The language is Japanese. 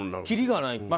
きりがない。